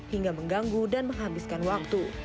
hingga mengganggu dan menghabiskan waktu